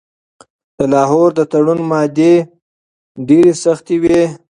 د لاهور د تړون مادې ډیرې سختې وې.